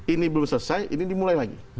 ini belum selesai ini dimulai lagi